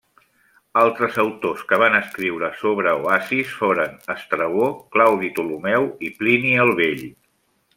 Altres autors que van escriure sobre oasis foren Estrabó, Claudi Ptolemeu i Plini el Vell.